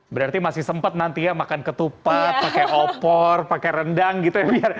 berarti masih sempat nanti ya makan ketupat pakai opor pakai rendang gitu ya biar